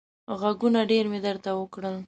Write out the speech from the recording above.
غږونه ډېر مې درته وکړل.